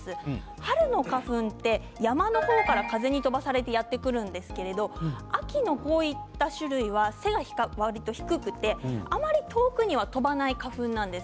春の花粉は山の方から風に飛ばされてやってくるんですが秋の種類は背が低くてあまり遠くには飛ばない花粉なんです。